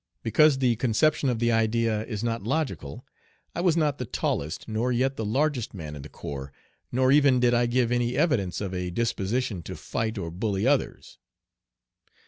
Because the conception of the idea is not logical. I was not the tallest, nor yet the largest man in the corps, nor even did I give any evidence of a disposition to fight or bully others.